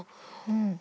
うん。